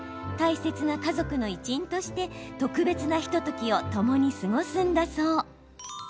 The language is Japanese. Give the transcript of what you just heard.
大切な家族の一員として特別なひとときをともに過ごすんだそう。